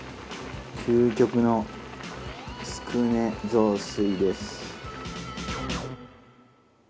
究極のつくね雑炊です。